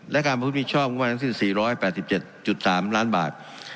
และการภพพลิตมีชอบกว่า๔๘๗๓ล้านบาท